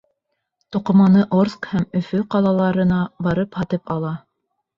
Туҡыманы Орск һәм Өфө ҡалаларына барып һатып ала.